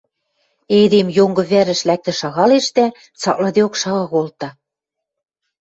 Эдем йонгы вӓрӹш лӓктӹн шагалеш дӓ цаклыдеок шагал колта.